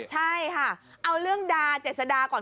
ใช่ค่ะเอาเรื่องดาเจษฎาก่อน